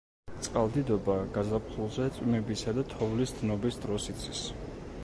წყალდიდობა გაზაფხულზე წვიმებისა და თოვლის დნობის დროს იცის.